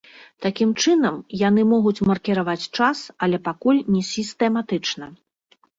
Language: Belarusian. Такім чынам, яны могуць маркіраваць час, але пакуль не сістэматычна.